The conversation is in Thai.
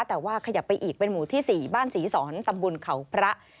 แต่ว่าขยับไปอีกเป็นหมู่ที่๔บ้านศรีสอนตำบลเขาพระ